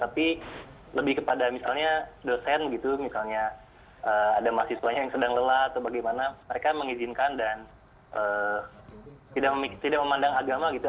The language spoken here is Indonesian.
tapi lebih kepada misalnya dosen gitu misalnya ada mahasiswanya yang sedang lelah atau bagaimana mereka mengizinkan dan tidak memandang agama gitu